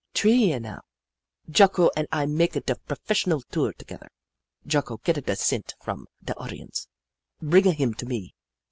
Tree year now, Jocko and I maka da professional tour together. Jocko getta da cent from da audience, bringa him to me.